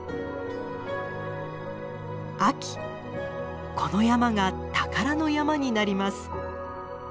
秋この山が宝の山になります。